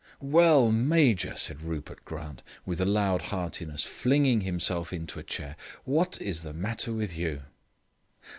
"Well, Major," said Rupert Grant, with a lordly heartiness, flinging himself into a chair, "what is the matter with you?"